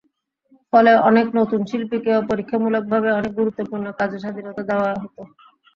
ফলে, অনেক নতুন শিল্পীকেও পরীক্ষামূলকভাবে অনেক গুরুত্বপূর্ণ কাজে স্বাধীনতা দেওয়া হতো।